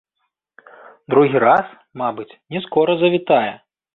Другі раз, мабыць, не скора завітае.